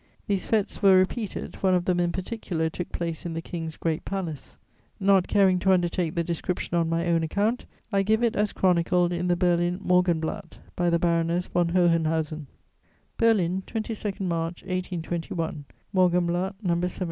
These fêtes were repeated; one of them in particular took place in the King's Great Palace. Not caring to undertake the description on my own account, I give it as chronicled in the Berlin Morgenblatt by the Baroness von Hohenhausen: BERLIN, 22 March 1821 (Morgenblatt No. 70).